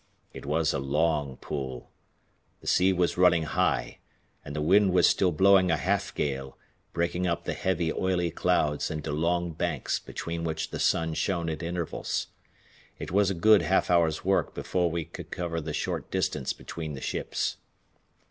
It was a long pull. The sea was running high and the wind was still blowing a half gale, breaking up the heavy oily clouds into long banks between which the sun shone at intervals. It was a good half hour's work before we could cover the short distance between the ships.